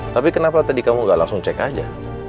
tapi kenapa tadi kamu gak langsung cek aja